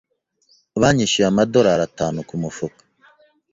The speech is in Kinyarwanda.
Banyishyuye amadorari atanu kumufuka.